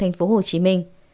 huyện công an tp hcm